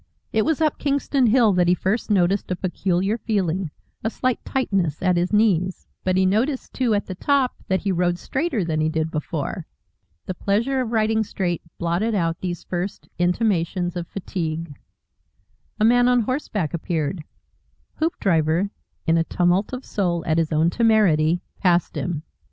It was up Kingston Hill that he first noticed a peculiar feeling, a slight tightness at his knees; but he noticed, too, at the top that he rode straighter than he did before. The pleasure of riding straight blotted out these first intimations of fatigue. A man on horseback appeared; Hoopdriver, in a tumult of soul at his own temerity, passed him.